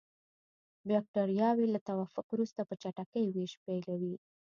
بکټریاوې له توافق وروسته په چټکۍ ویش پیلوي.